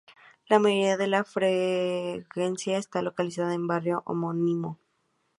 La mayoría de la freguesía está localizada en el barrio homónimo.